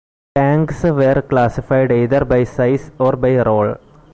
Tanks were classified either by size or by role.